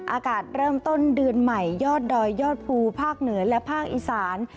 อากาศเริ่มต้นเดือนใหม่ยอดดอยยอดภูภาคเหนือและภาคอีสาน